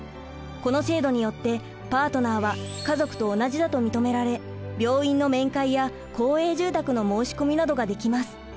この制度によってパートナーは家族と同じだと認められ病院の面会や公営住宅の申し込みなどができます。